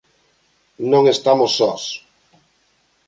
Non estamos sos.